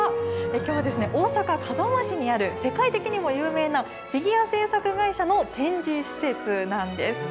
きょうは大阪・門真市にある世界的にも有名なフィギュア製作会社の展示施設なんです。